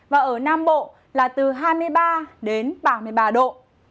và ở nam bộ là từ hai mươi ba đến ba mươi ba độ